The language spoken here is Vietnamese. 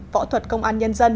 võ thuật công an nhân dân